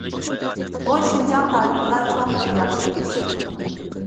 بۇ، شىنجاڭ تارىخىدا چوڭ بىر ياخشى ئىش.